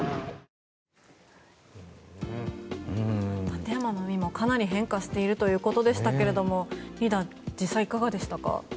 館山の海もかなり変化しているということでしたがリーダー、実際いかがでしたか？